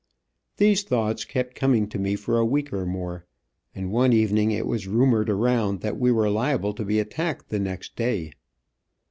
These thoughts kept coming to me for a week or more, and one evening it was rumored around that we were liable to be attacked the next day.